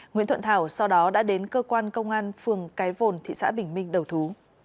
nguyễn thuận thảo sau đó đã đến cơ quan công an phường cái vồn thị xã bình minh đầu thú